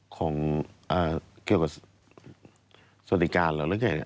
ของเกี่ยวกับสถิการหรืออะไรแบบนี้